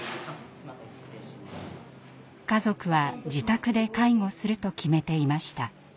家族は自宅で介護すると決めていました。